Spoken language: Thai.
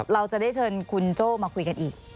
เราจะได้เชิญคุณโจ้มาคุยกันอีก